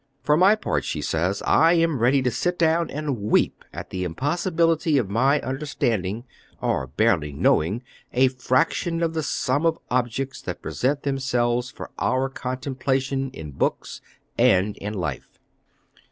"For my part," she says, "I am ready to sit down and weep at the impossibility of my understanding or barely knowing a fraction of the sum of objects that present themselves for our contemplation in books and in life."